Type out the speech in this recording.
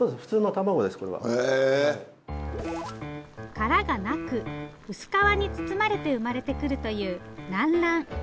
殻がなく薄皮に包まれて生まれてくるという軟卵。